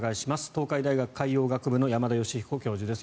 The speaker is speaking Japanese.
東海大学海洋学部の山田吉彦教授です。